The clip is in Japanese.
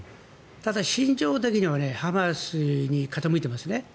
ただ、心情的にはハマスに傾いていますね。